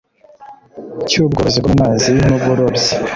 cy ubworozi bwo mu mazi n uburobyi